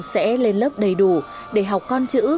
sẽ lên lớp đầy đủ để học con chữ